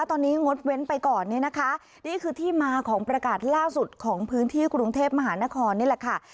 ตอนนี้งดเว้นไปก่อนเนี่ยนะคะนี่คือที่มาของประกาศล่าสุดของพื้นที่กรุงเทพมหานครนี่แหละค่ะ